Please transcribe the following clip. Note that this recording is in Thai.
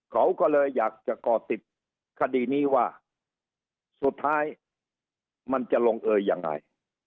เขาก็เลยอยากจะก่อติดคดีนี้ว่าสุดท้ายมันจะลงเอยยังไง